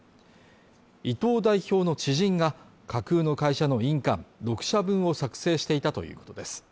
伊藤代表の知人が架空の会社の印鑑、６社分を作成していたということです。